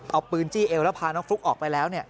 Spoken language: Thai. เอาปืนจี้เอวแล้วพาน้องฟลุ๊กออกไปแล้ว